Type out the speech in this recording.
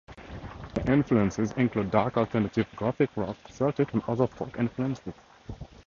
Their influences include dark alternative, gothic rock, Celtic, and other folk influences.